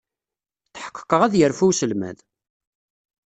Tḥeqqeɣ ad yerfu uselmad!